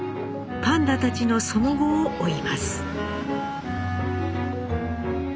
パンダたちのその後を追います。